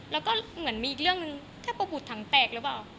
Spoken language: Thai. แล้วก็เหมือนมีอีกเรื่องหนึ่งแค่ประบุตรถังแตกหรือเปล่า